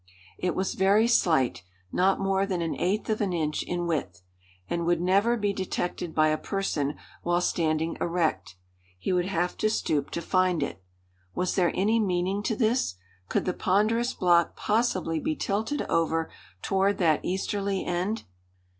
It was very slight not more than an eighth of an inch in width and would never be detected by a person while standing erect. He would have to stoop to find it. Was there any meaning to this? Could the ponderous block possibly be tilted over toward that easterly end?